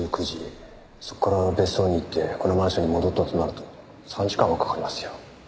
そこから別荘に行ってこのマンションに戻ったとなると３時間はかかりますよ。